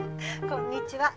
こんにちは。